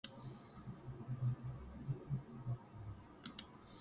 Once upon a time, I had a mischievous but lovable Labrador named Max.